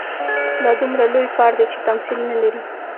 دا دومره لوی کار دی چې تمثیل نه لري.